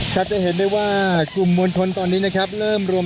จะเห็นได้ว่ากลุ่มมวลชนตอนนี้นะครับเริ่มรวม